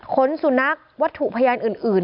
สุนัขวัตถุพยานอื่น